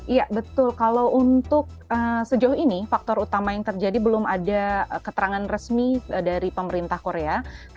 iya betul kalau untuk sejauh ini faktor utama yang terjadi belum ada keterangan resmi dari pemerintah korea